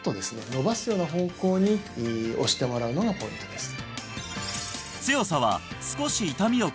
伸ばすような方向に押してもらうのがポイントです